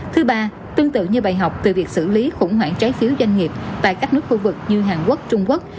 thứ ba tương tự như bài học từ việc xử lý khủng hoảng trái phiếu doanh nghiệp tại các nước khu vực như hàn quốc trung quốc